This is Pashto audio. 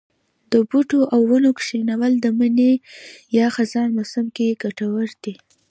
د بوټو او ونو کښېنول د مني یا خزان موسم کې کټور دي.